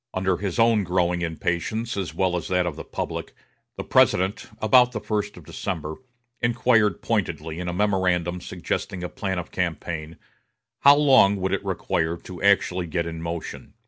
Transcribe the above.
Under his own growing impatience, as well as that of the public, the President, about the first of December, inquired pointedly, in a memorandum suggesting a plan of campaign, how long it would require to actually get in motion.